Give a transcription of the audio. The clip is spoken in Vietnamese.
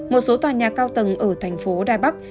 một số tòa nhà cao tầng ở thành phố ra bắc